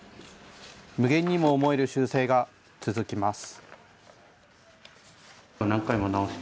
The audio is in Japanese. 無限にも思える修正が続きます。